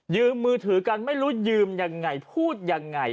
มือถือกันไม่รู้ยืมยังไงพูดยังไง